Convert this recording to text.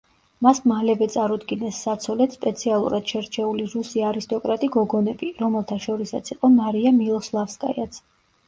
მას მალევე წარუდგინეს საცოლედ სპეციალურად შერჩეული რუსი არისტოკრატი გოგონები, რომელთა შორისაც იყო მარია მილოსლავსკაიაც.